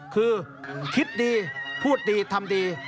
คือคิดดีพูดดีทำดี